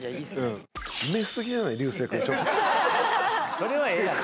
それはええやろ。